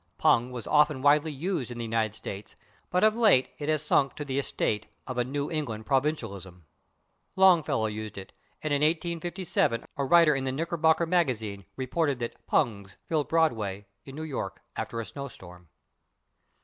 /Pung/ was once widely used in the United States, but of late it has sunk to the estate of a New England provincialism. Longfellow used it, and in 1857 a writer in the /Knickerbocker Magazine/ reported that /pungs/ filled Broadway, in New York, after a snow storm.